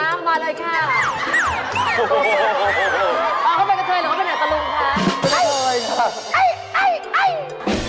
เขาเป็นกระเทยหรือเขาไปไหนตะลุงคะ